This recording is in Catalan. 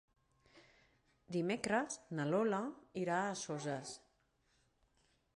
Dimecres na Lola irà a Soses.